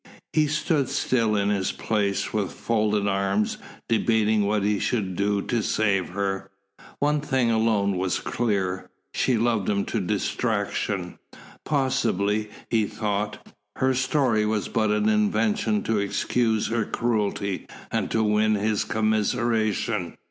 He stood still in his place, with folded arms, debating what he should do to save her. One thing alone was clear. She loved him to distraction. Possibly, he thought, her story was but an invention to excuse her cruelty and to win his commiseration.